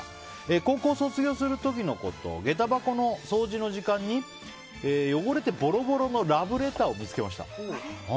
高校を卒業する時のこと下駄箱の掃除の時間に汚れてぼろぼろのラブレターを見つけました。